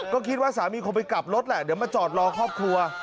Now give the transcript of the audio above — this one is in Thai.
ก็คิดว่าสามีคงไปกลับรถแหละเดี๋ยวมาจอดรอครอบครัว